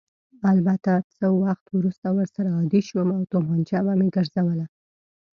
البته څه وخت وروسته ورسره عادي شوم او تومانچه به مې ګرځوله.